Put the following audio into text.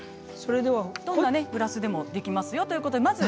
どんなグラスでもできますよということです。